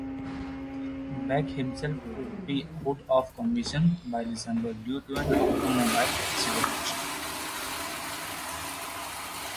Beck himself would be out of commission by December due to an automobile accident.